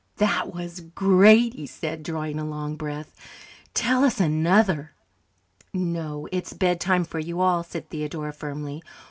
"That was great," he said, drawing a long breath. "Tell us another." "No, it's bedtime for you all," said Theodora firmly.